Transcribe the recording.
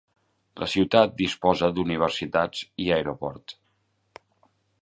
La ciutat disposa d'universitats i aeroport.